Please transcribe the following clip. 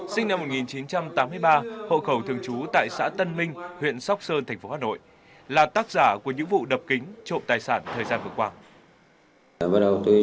sinh năm một nghìn chín trăm tám mươi ba hộ khẩu thường trú tại xã tân minh huyện sóc sơn thành phố hà nội là tác giả của những vụ đập kính trộm tài sản thời gian vừa qua